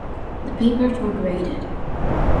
The papers were graded.